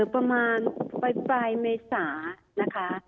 ประมาณปลายเมษานะคะ